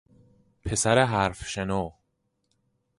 پسر حرف شنو